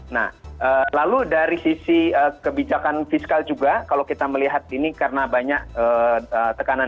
nah lalu dari sisi kebijakan fiskal juga kalau kita melihat ini karena banyak tekanan